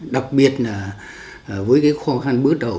đặc biệt là với cái khó khăn bước đầu